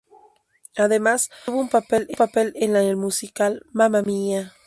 Además obtuvo un papel en el musical Mamma Mia!